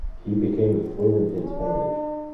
He became fluent in Spanish.